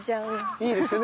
いいですよね